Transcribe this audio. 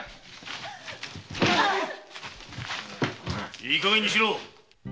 いいかげんにしろ！